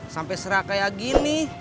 sampai serah kayak gini